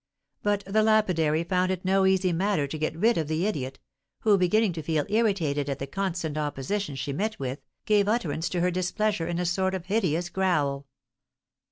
But the lapidary found it no easy matter to get rid of the idiot, who, beginning to feel irritated at the constant opposition she met with, gave utterance to her displeasure in a sort of hideous growl.